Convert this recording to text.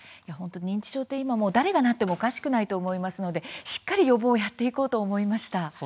認知症は誰がなってもおかしくないと思いますのでしっかり予防をやっていこうと思いました。